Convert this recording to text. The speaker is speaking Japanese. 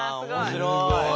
面白い。